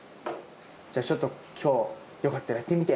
じゃあ、ちょっときょう、よかったらやってみて。